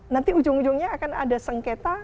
nanti ujung ujungnya akan ada sengketa